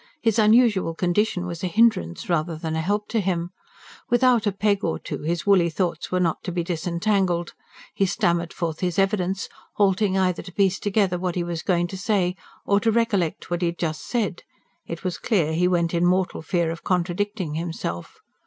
His unusual condition was a hindrance rather than a help to him; without a peg or two his woolly thoughts were not to be disentangled. He stammered forth his evidence, halting either to piece together what he was going to say, or to recollect what he had just said it was clear he went in mortal fear of contradicting himself.